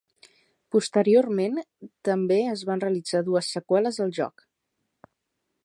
Posteriorment, també es van realitzar dues seqüeles del joc.